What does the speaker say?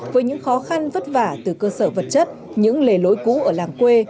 với những khó khăn vất vả từ cơ sở vật chất những lề lối cũ ở làng quê